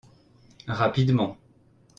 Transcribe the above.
Rapidement.